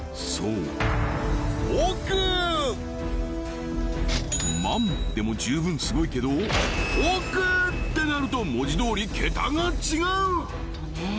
そう「万」でも十分すごいけど「億」ってなると文字どおりケタが違う！